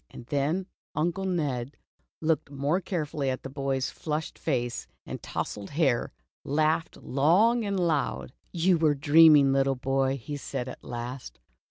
And then Uncle Ned, looking more carefully at the boy's flushed face, and tousled hair, laughed long and loud. "You were dreaming, little boy," he said, at last.